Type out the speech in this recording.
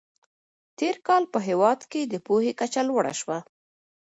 تېر کال په هېواد کې د پوهې کچه لوړه سوه.